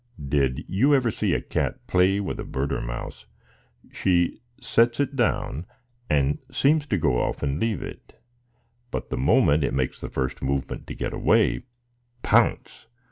Did you ever see a cat play with a bird or a mouse? She sets it down, and seems to go off and leave it; but the moment it makes the first movement to get away,—pounce!